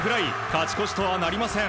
勝ち越しとはなりません。